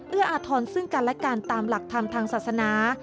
เอื้ออธรรมซึ่งการและการตามหลักธรรมทางศาสนา